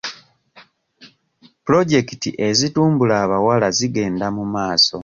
Pulojekiti ezitumbula abawala zigenda mu maaso.